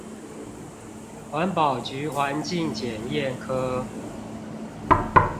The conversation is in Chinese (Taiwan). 環保局環境檢驗科